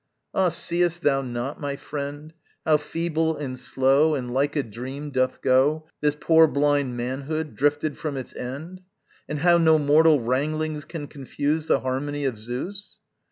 Ah, seest thou not, my friend, How feeble and slow And like a dream, doth go This poor blind manhood, drifted from its end? And how no mortal wranglings can confuse The harmony of Zeus?